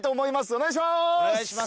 お願いします。